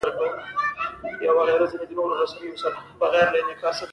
د هغه معجزې او کیسې د عبرت په توګه خلکو ته وړاندې شوي.